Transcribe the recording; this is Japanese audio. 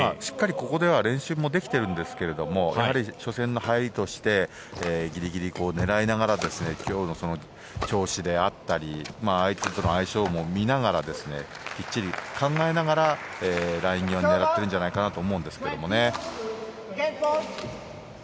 ここでは練習もできてるんですけど初戦の入りとしてギリギリ狙いながら今日の調子であったり相手との相性も見ながらきっちり考えながら、ライン際に狙ってるんじゃないかと思うんですけどもね。